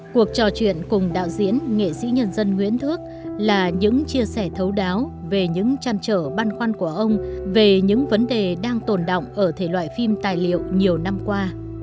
cuộc trò chuyện cùng đạo diễn nghệ sĩ nhân dân nguyễn thước là những chia sẻ thấu đáo về những trăn trở băn khoăn của ông về những vấn đề đang tồn động ở thể loại phim tài liệu nhiều năm qua